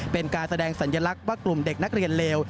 เป็นการแสดงสัญลักษณ์ว่ากลุ่มเด็กนักเรียนเลว